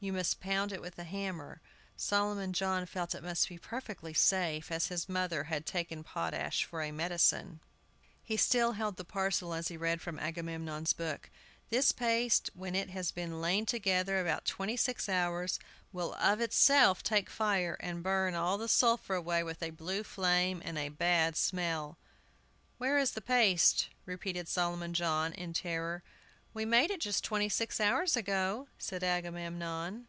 You must pound it with a hammer. Solomon John felt it must be perfectly safe, as his mother had taken potash for a medicine. He still held the parcel as he read from Agamemnon's book: "This paste, when it has lain together about twenty six hours, will of itself take fire, and burn all the sulphur away with a blue flame and a bad smell." "Where is the paste?" repeated Solomon John, in terror. "We made it just twenty six hours ago," said Agamemnon.